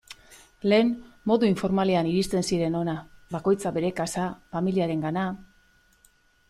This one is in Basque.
Lehen modu informalean iristen ziren hona, bakoitza bere kasa, familiarengana...